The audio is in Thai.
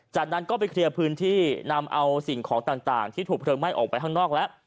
จากนั้นก็ไปเคลียร์พื้นที่นำเอาสิ่งของต่างที่ถูกเพลิงไหม้ออกไปข้างนอกแล้ว